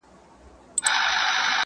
د موضوع مخینه په پوره غور سره وکتل شوه.